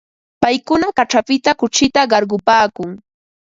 Paykuna kaćhapita kuchita qarqupaakun.